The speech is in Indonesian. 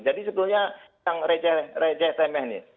jadi sebetulnya yang receh receh temennya